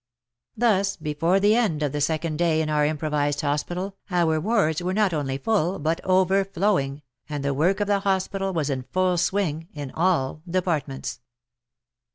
Thus before the end of the second day in our improvised hospital, our wards were not only full, but overflowing, and the work of the hospital was in full swing in all departments.